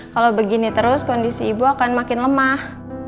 kalau begini terus kondisi ibu akan makin lemah